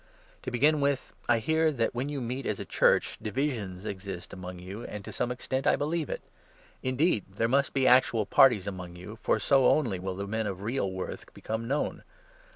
To begin with, I hear 18 that, when you meet as a Church, divisions exist among you, and, to some extent, I believe it. Indeed, there must 19 be actual parties among you, for so only will the men of real worth become known.